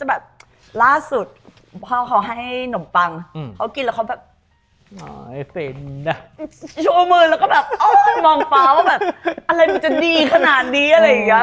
อะไรอย่างเงี้ย